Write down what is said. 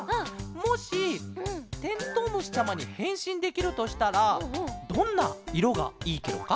もしてんとうむしちゃまにへんしんできるとしたらどんないろがいいケロか？